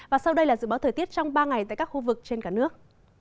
và sau đây là dự báo thời tiết trong ba ngày tại các khu vực trên cả nước